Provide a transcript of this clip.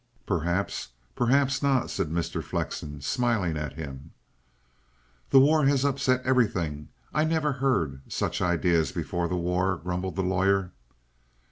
"Perhaps perhaps not," said Mr. Flexen, smiling at him. "The war has upset everything. I never heard such ideas before the war," grumbled the lawyer.